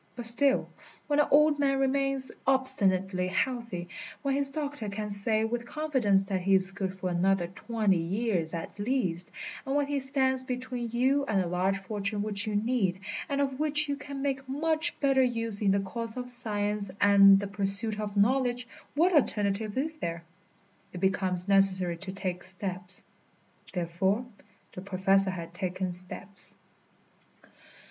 But still, when an old man remains obstinately healthy, when his doctor can say with confidence that he is good for another twenty years at least, and when he stands between you and a large fortune which you need, and of which you can make much better use in the cause of science and the pursuit of knowledge, what alternative is there? It becomes necessary to take steps. Therefore, the Professor had taken steps.